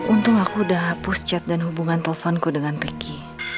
untung aku udah hapus chat dan hubungan telepon ku dengan ricky